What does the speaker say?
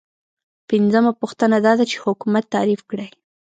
پنځمه پوښتنه دا ده چې حکومت تعریف کړئ.